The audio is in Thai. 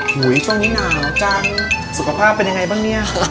ช่วงนี้หนาวจังสุขภาพเป็นยังไงบ้างเนี่ย